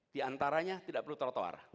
di antaranya tidak perlu trotoar